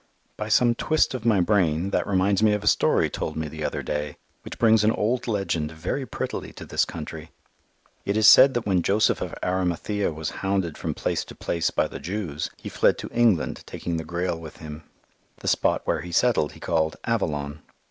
By some twist of my brain that reminds me of a story told me the other day which brings an old legend very prettily to this country. It is said that when Joseph of Arimathea was hounded from place to place by the Jews, he fled to England taking the Grail with him. The spot where he settled he called Avalon.